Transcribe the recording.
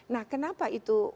nah kenapa itu